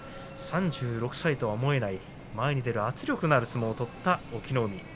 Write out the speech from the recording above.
３６歳とは思えない前に出る圧力のある相撲を取った隠岐の海。